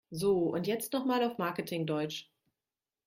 So, und jetzt noch mal auf Marketing-Deutsch!